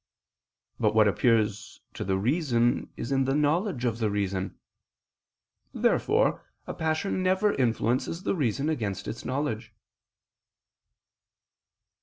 But what appears to the reason is in the knowledge of the reason. Therefore a passion never influences the reason against its knowledge.